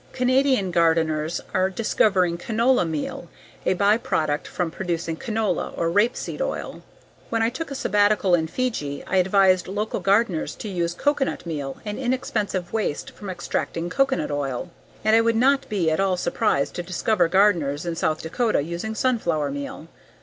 Canadian gardeners are discovering canola meal, a byproduct from producing canola (or rapeseed) oil. When I took a sabbatical in Fiji, I advised local gardeners to use coconut meal, an inexpensive "waste" from extracting coconut oil. And I would not be at all surprised to discover gardeners in South Dakota using sunflower meal.